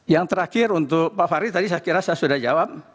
yang terakhir untuk pak fahri tadi saya kira saya sudah jawab